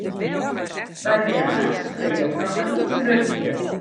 Wy binne hast klear, noch in lyts rukje.